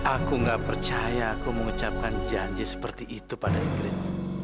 aku gak percaya aku mengucapkan janji seperti itu pada inggris